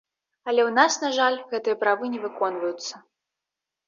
Але ў нас, на жаль, гэтыя правы не выконваюцца.